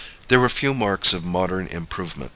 There were few marks of modern improvement.